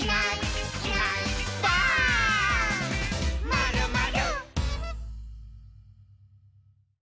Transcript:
「まるまる」